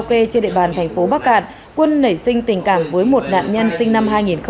trên địa bàn thành phố bắc cạn quân nảy sinh tình cảm với một nạn nhân sinh năm hai nghìn một mươi